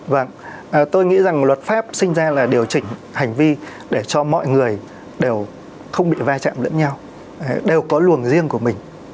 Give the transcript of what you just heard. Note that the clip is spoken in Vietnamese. vâng tôi nghĩ rằng luật pháp sinh ra là điều chỉnh hành vi để cho mọi người đều không bị va chạm lẫn nhau đều có luồng riêng của mình